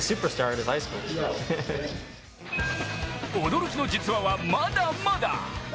驚きの実話は、まだまだ。